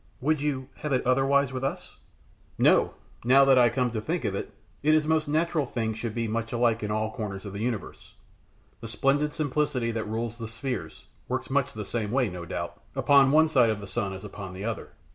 "Would you have had it otherwise with us?" "No! now I come to think of it, it is most natural things should be much alike in all the corners of the universe; the splendid simplicity that rules the spheres, works much the same, no doubt, upon one side of the sun as upon the other.